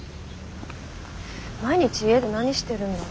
毎日家で何してるんだろ？